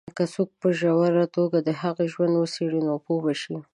که څوک په ژوره توګه د هغه ژوند وڅېـړي، نو پوه به شي.